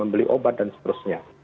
beli obat dan seterusnya